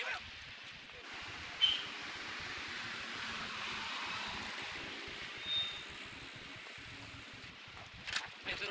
sudah jangan bambacot lo